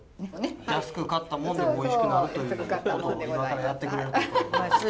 安く買ったもんでもおいしくなるということを今からやってくれるという。